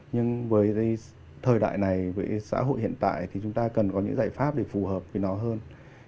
nhưng với thời đại này với xã hội hiện tại thì chúng ta cần có những giải pháp để phù hợp với nó hơn